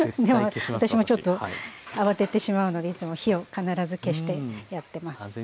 でも私もちょっと慌ててしまうのでいつも火を必ず消してやってます。